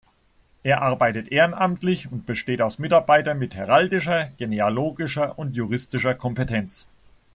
Er arbeitet ehrenamtlich und besteht aus Mitarbeitern mit heraldischer, genealogischer und juristischer Kompetenz.